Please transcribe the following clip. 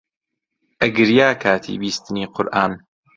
ئەگریا کاتی بیستنی قورئان